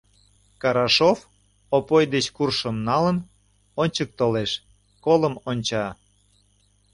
Карашов, Опой деч куршым налын, ончык толеш, колым онча.